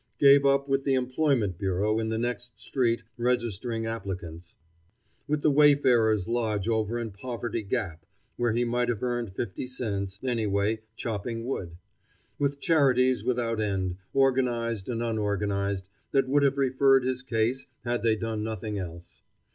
Gave up, with the Employment Bureau in the next street registering applicants; with the Wayfarers' Lodge over in Poverty Gap, where he might have earned fifty cents, anyway, chopping wood; with charities without end, organized and unorganized, that would have referred his case, had they done nothing else.